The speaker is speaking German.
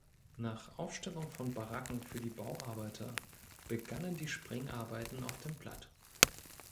Nach Aufstellung von Baracken für die Bauarbeiter begannen die Sprengarbeiten auf dem Platt.